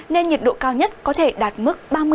nên nhiệt độ cao nhất có thể đạt mức